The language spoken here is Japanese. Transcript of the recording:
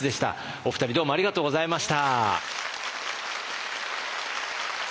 お二人どうもありがとうございました。